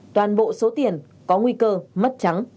toàn bộ số tiền có nguy cơ mất trắng